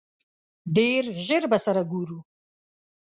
ډېر ژر به سره ګورو!